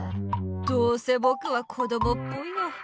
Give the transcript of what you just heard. どうせぼくはこどもっぽいよ。